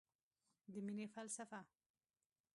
د مینې فلسفه